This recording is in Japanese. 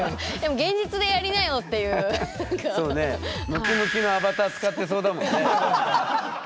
ムキムキのアバター使ってそうだもんね。